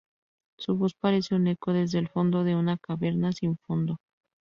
Su voz parece un eco desde el fondo de una caverna sin fondo.